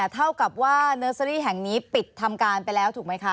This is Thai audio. เท่ากับว่านักสังคมสงเคราะห์แห่งนี้ปิดทำการไปแล้วถูกไหมคะ